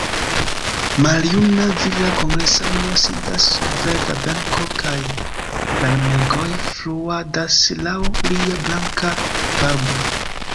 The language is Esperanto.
Maljuna vira kongresano sidas sur verda benko kaj larmegoj fluadas laŭ lia blanka barbo.